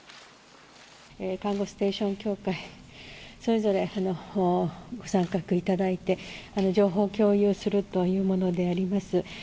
看護ステーション協会、それぞれご参画いただいて、情報共有するというものであります。